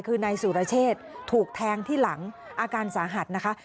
คือนายสุรเชษถูกแทงที่หลังอาการสาหัสนะคะ